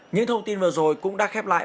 những thông tin vừa rồi cũng đã khép lại